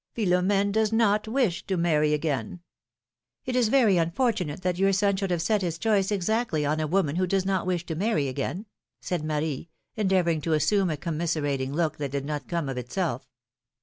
^ Philomene does not wish to marry again !" It is very unfortunate that your son should have set his choice exactly on a woman who does not wish to marry again/' said Marie, endeavoring to assume a com miserating look that did not come of itself.